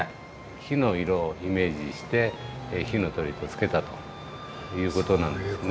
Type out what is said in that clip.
火の色をイメージして「火の鳥」と付けたという事なんですね。